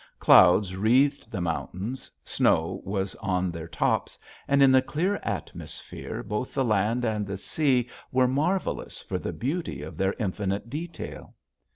Clouds wreathed the mountains, snow was on their tops, and in the clear atmosphere both the land and the sea were marvelous for the beauty of their infinite detail.